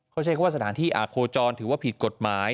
เขาใช้คำว่าสถานที่อาโคจรถือว่าผิดกฎหมาย